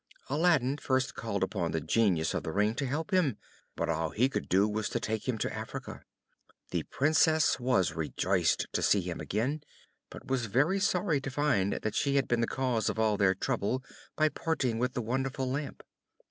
Aladdin first called upon the Genius of the Ring to help him, but all he could do was to take him to Africa. The Princess was rejoiced to see him again, but was very sorry to find that she had been the cause of all their trouble by parting with the wonderful Lamp.